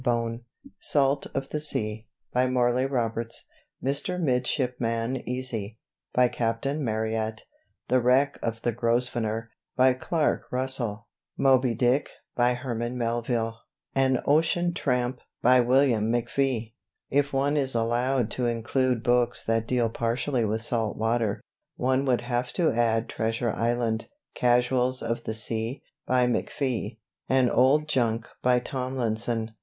Bone Salt of the Sea, by Morley Roberts Mr. Midshipman Easy, by Captain Marryat The Wreck of the "Grosvenor," by Clark Russell Moby Dick, by Herman Melville An Ocean Tramp, by William McFee._ If one is allowed to include books that deal partially with salt water, one would have to add "Treasure Island," "Casuals of the Sea," by McFee, and "Old Junk," by Tomlinson.